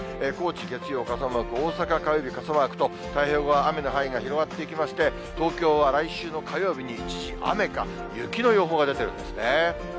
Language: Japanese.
高知、月曜、傘マーク、大阪、火曜日傘マークと、太平洋側、雨の範囲が広がっていきまして、東京は来週の火曜日に一時雨か雪の予報が出てるんですね。